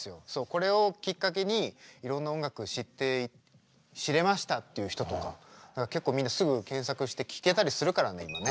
これをきっかけにいろんな音楽知れましたっていう人とか結構みんなすぐ検索して聴けたりするからね今ね。